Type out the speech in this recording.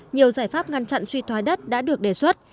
nhiều giải pháp ngăn chặn suy thoái đất đã được đề xuất